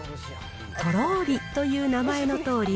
とろりという名前のとおり